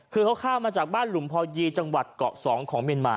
คือเขาข้ามมาจากบ้านหลุมพอยีจังหวัดเกาะสองของเมียนมา